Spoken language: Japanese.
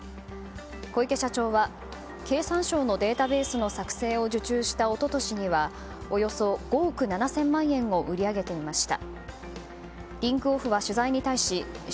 小池社長は経産省のデータベースの作成を受注した一昨年にはおよそ５億７０００万円を売り上げていました。